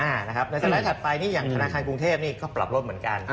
อ่านะครับในสถานที่ถัดไปอย่างธนาคารกรุงเทพฯก็ปรับรถเหมือนกัน